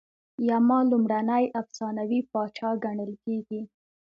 یما لومړنی افسانوي پاچا ګڼل کیږي